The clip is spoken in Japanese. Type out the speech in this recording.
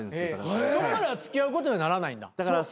そこから付き合うことにならないんだ。